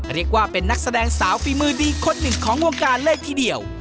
เรียกว่าเป็นนักแสดงสาวฝีมือดีคนหนึ่งของวงการเลยทีเดียว